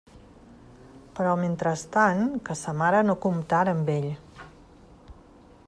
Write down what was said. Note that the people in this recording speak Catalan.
Però mentrestant, que sa mare no comptara amb ell.